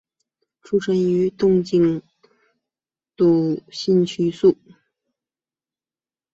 出身于东京都新宿区。